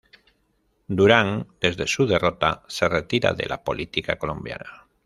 Durán desde su derrota se retira de la política colombiana.